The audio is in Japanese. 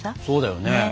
そうだよね。